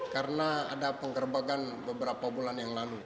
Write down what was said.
karena ada penggerbakan beberapa bulan yang lalu